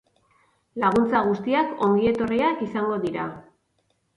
Laguntza guztiak ongietorriak izango dira.